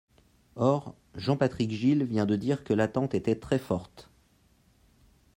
Or Jean-Patrick Gille vient de dire que l’attente était très forte.